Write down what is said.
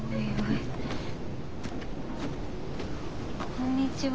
こんにちは。